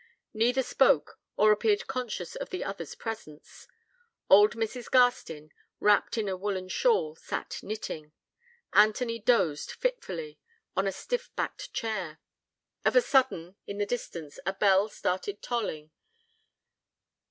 Neither spoke, or appeared conscious of the other's presence. Old Mrs. Garstin, wrapped in a woollen shawl, sat knitting: Anthony dozed fitfully on a stiff backed chair. Of a sudden, in the distance, a bell started tolling.